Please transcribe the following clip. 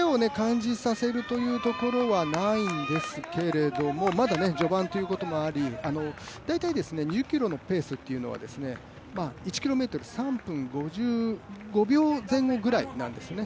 疲れを感じさせるというところはないんですけれどもまだ序盤ということもあり大体２０ｋｍのペースというのは１ｋｍ３分５５秒前後ぐらいなんですね。